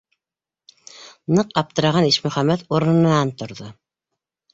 Ныҡ аптыраған Ишмөхәмәт урынынан торҙо: